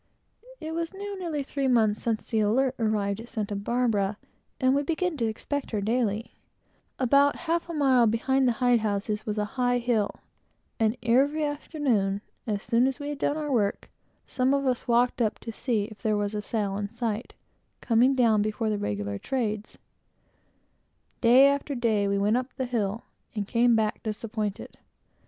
It was now nearly three months since the Alert arrived at Santa Barbara, and we began to expect her daily. About a half a mile behind the hide house, was a high hill; and every afternoon, as soon as we had done our work, some one of us walked up to see if there were any sail in sight, coming down before the regular trades, which blow every afternoon. Each day, after the latter part of July, we went up the hill, and came back disappointed.